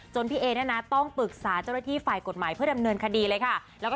จนพี่เอต้องต้องปรึกษาเจ้าละที่ฝ่ายกฎหมายแถมเณิร์นขดีเลยค่ะ